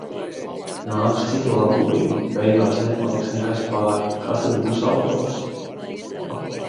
Nāks citi labojumi, beigās nepaliks nekas pāri, kas tad būs autors?